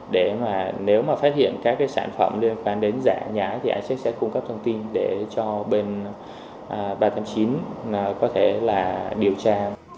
để mà nếu mà phát hiện các cái sản phẩm liên quan đến giả hàng nhái thì icheck sẽ cung cấp thông tin để cho bên ba chín có thể là điều tra